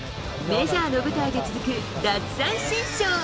メジャーの舞台で続く奪三振ショー。